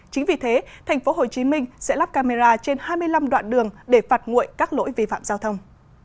chính vì thế tp hcm sẽ lắp camera trên hai mươi năm đoạn đường để phạt nguội các lỗi vi phạm giao thông